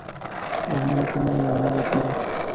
زامنو ته مې وویل نور نو.